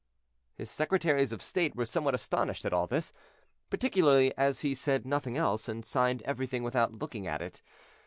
His secretaries of state were somewhat astonished at all this, particularly as he said nothing else, and signed everything without looking at it.